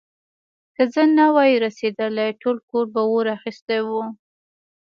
که زه نه وای رسېدلی، ټول کور به اور اخيستی و.